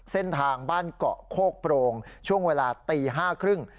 เส้นทางบ้านเกาะโคกโปรงช่วงเวลาตี๕๓๐